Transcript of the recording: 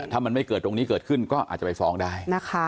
ถ้ามันไม่เกิดตรงนี้เกิดขึ้นก็อาจจะไปฟ้องได้นะคะ